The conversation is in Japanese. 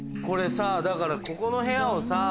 これさだからここの部屋をさ。